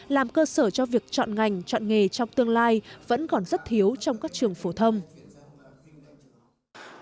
làm cơ sở cho việc chọn ngành chọn nghề trong tương lai vẫn còn rất thiếu trong các trường phổ thông